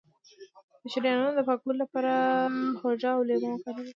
د شریانونو د پاکوالي لپاره هوږه او لیمو وکاروئ